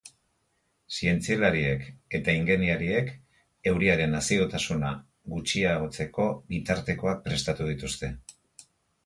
Zientzialariek eta ingeniariek euriaren azidotasuna gutxiagotzeko bitartekoak prestatu dituzte.